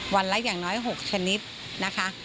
วันละอย่างน้อย๖ชนิดนะคะ